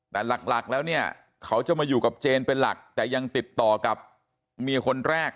แต่หลักแล้วเนี่ยเขาจะมาอยู่กับเจนเป็นหลักแต่ยังติดต่อกับเมียคนแรก